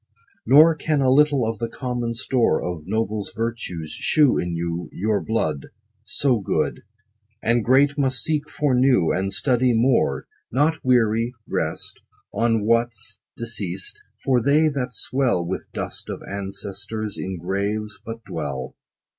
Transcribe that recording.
Nor can a little of the common store Of nobles' virtue, shew in you ; Your blood So good And great, must seek for new, And study more : Not weary, rest On what's deceas't. For they, that swell 30 With dust of ancestors, in graves but dwell.